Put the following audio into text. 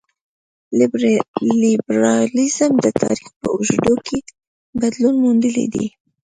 لېبرالیزم د تاریخ په اوږدو کې بدلون موندلی دی.